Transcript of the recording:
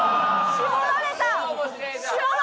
絞られた！